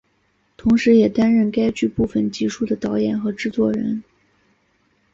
同时也担任该剧部分集数的导演和制作人。